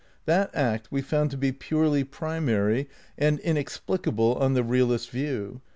That act we found to be purely primary and inexplicable on the realist view.